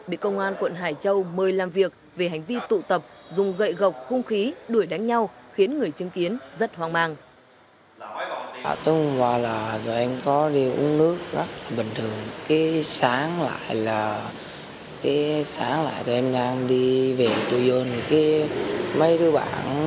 bị công an quận hải châu mời làm việc về hành vi tụ tập dùng gậy gọc khung khí đuổi đánh nhau khiến người chứng kiến rất hoang mang